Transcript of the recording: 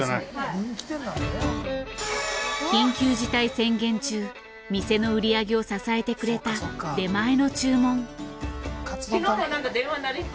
緊急事態宣言中店の売り上げを支えてくれた出前の注文。